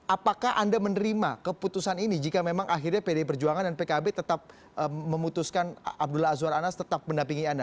apakah anda menerima keputusan ini jika memang akhirnya pdi perjuangan dan pkb tetap memutuskan abdullah azwar anas tetap mendampingi anda